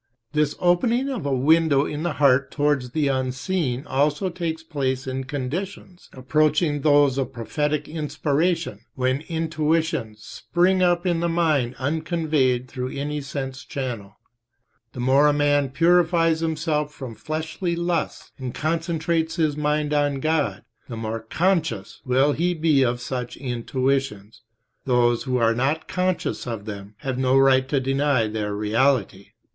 This opening of a window in the heart towards the unseen also takes place in conditions. approaching those of prophetic inspiration, when intuitions spring up in the mind unconveyed through any sense channel. The more a man purifies himself from fleshly lusts and concentrates his mind on God, the more conscious will he be of such intuitions. Those who are not conscious of them have no right to deny their reality.